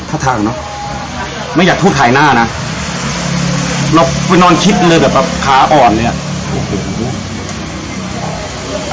ถ้าทางเนอะไม่อยากพูดภายหน้านะเราไปนอนคิดเลยแบบขาอ่อนเลยอ่ะโอ้โห